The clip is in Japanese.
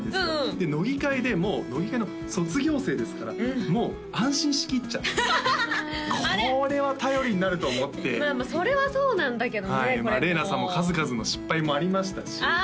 で乃木回でもう乃木坂の卒業生ですからもう安心しきっちゃってこれは頼りになると思ってまあまあそれはそうなんだけどねまあれいなさんも数々の失敗もありましたしあ